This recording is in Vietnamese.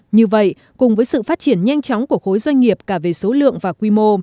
như vậy cùng với sự phát triển nhanh chóng của khối doanh nghiệp cả về số lượng và quy mô